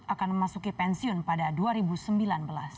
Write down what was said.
akan memasuki pensiun pada dua ribu sembilan belas